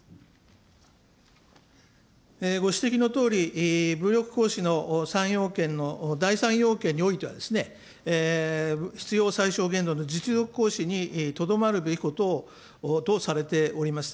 ご指摘のとおり、武力行使の３要件の第３要件においては、必要最小限度の実力行使にとどまるべきこととされております。